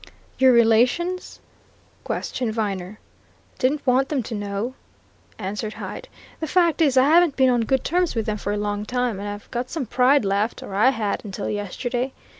"Your relations?" questioned Viner. "Didn't want them to know," answered Hyde. "The fact is, I haven't been on good terms with them for a long time, and I've got some pride left or I had, until yesterday.